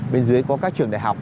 bên dưới có các trường đại học